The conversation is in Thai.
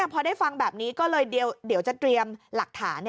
พอได้ฟังแบบนี้ก็เลยเดี๋ยวจะเตรียมหลักฐาน